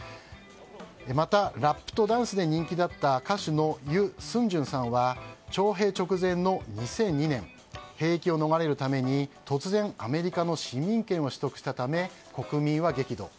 またラップとダンスで人気だった歌手のユ・スンジュンさんは徴兵直前の２００２年、兵役を逃れるために突然、アメリカの市民権を取得したため国民は激怒。